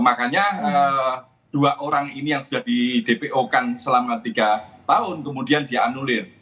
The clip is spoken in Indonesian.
makanya dua orang ini yang sudah di dpo kan selama tiga tahun kemudian dianulir